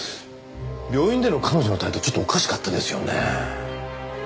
病院での彼女の態度ちょっとおかしかったですよね。